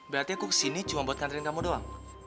berarti aku kesini cuma buat ngantriin kamu doang